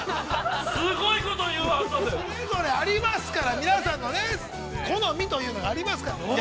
◆すごいこと言うわ、◆そういうこともありますから、皆さんの好みというのがありますから。